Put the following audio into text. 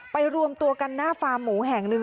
รวมตัวกันหน้าฟาร์มหมูแห่งหนึ่ง